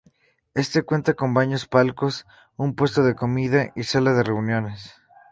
Este cuenta con baños, palcos, un puesto de comida y sala de reuniones.